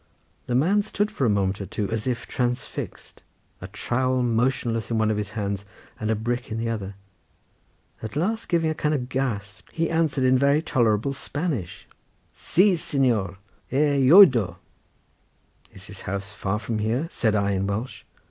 The man stood for a moment or two, as if transfixed, a trowel motionless in one of his hands, and a brick in the other; at last giving a kind of gasp, he answered in very tolerable Spanish: "Si, señor! he oido." "Is his house far from here?" said I in Welsh.